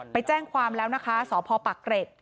ไปแจ้งความแล้วนะคะสพปักเกร็ด